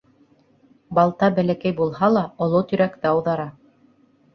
Балта бәләкәй булһа ла, оло тирәкте ауҙара.